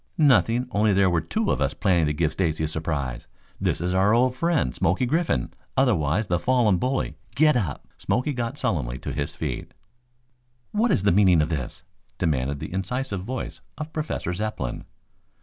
"Nothing, only there were two of us planning to give Stacy a surprise. This is our old friend, Smoky Griffin, otherwise the fallen bully. Get up!" Smoky got sullenly to his feet. "What is the meaning of this?" demanded the incisive voice of Professor Zepplin.